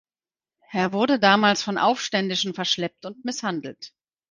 Er wurde damals von Aufständischen verschleppt und misshandelt.